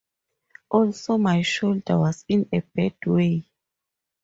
Also my shoulder was in a bad way.